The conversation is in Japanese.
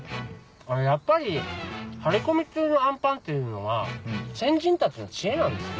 やっぱり張り込み中のあんぱんっていうのは先人たちの知恵なんですね。